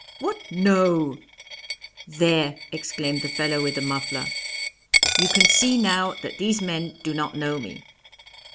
'What! No?' 'There,' exclaimed the fellow with the muffler. 'You can see now that these men do not know me.'